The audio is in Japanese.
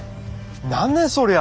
何ねそりゃ！